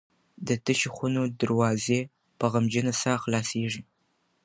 د تشو خونو دروازې په غمجنه ساه خلاصیږي.